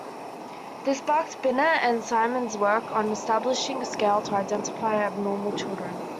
This sparked Binet and Simon's work on establishing a scale to identify abnormal children.